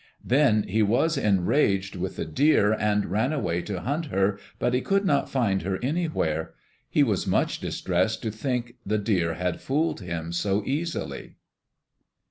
Then he was enraged with the deer and ran away to hunt her, but he could not find her anywhere. He was much distressed to think the deer had fooled him so easily.